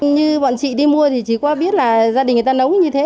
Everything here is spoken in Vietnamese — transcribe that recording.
như bọn chị đi mua thì chỉ có biết là gia đình người ta nấu như thế